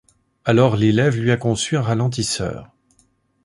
Alors l’élève lui a conçu un ralentisseur.